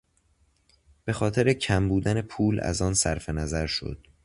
به خاطر کم بودن پول از آن صرفنظر شد.